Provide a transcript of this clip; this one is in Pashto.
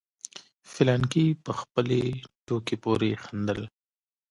فلانکي په خپلې ټوکې پورې خندل.